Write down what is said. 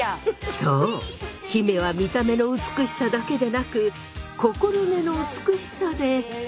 そう姫は見た目の美しさだけでなく心根の美しさで。